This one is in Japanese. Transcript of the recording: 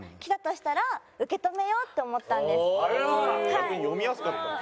逆に読みやすかったんだ。